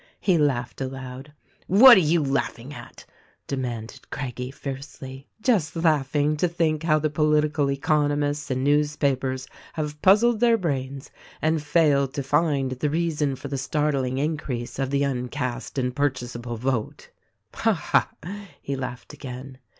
TTe laughed aloud. "What are you laughing at?" demanded Craggie fiercely. "Just laughing to think how the political economists and newspapers have puzzled their brains and failed to find the THE RECORDING AXGEL 183 reason for the startling increase of the uncast and purchas able vote." "Ha, ha!" he laughed again.